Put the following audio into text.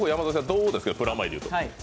どうですか、プラマイでいうと。